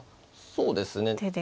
そうですね